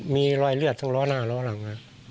มีรอยเลือดทั้งล้อหน้าล้อหลัง